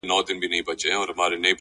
له دغي خاوري مرغان هم ولاړل هجرت کوي _